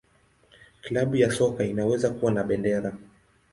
Klabu ya soka inaweza kuwa na bendera.